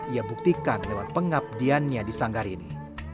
ia buktikan lewat pengabdiannya di sanggar ini